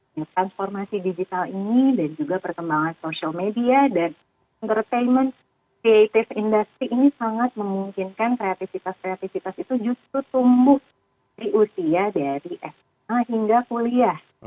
nah transformasi digital ini dan juga perkembangan social media dan entertainment creative industry ini sangat memungkinkan kreativitas kreativitas itu justru tumbuh dari usia dari sma hingga kuliah